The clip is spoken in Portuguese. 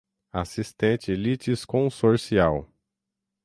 assistente litisconsorcial.